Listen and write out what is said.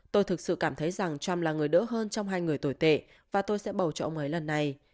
tôi thực sự cảm thấy rằng trump là người đỡ hơn trong hai người tồi tệ và tôi sẽ bầu cho ông ấy lần này